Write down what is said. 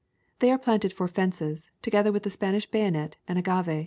They are planted for fences, together with the Spanish bayonet and agave.